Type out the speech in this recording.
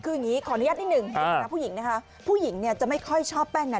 ขออนุญาตนิดหนึ่งเองไฟครับพุหญิงพุหญิงจะไม่ค่อยชอบแป้งหนา